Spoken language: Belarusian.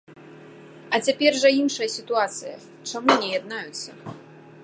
А цяпер жа іншая сітуацыя, чаму не яднаюцца?